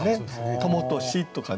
「朋とし」とかね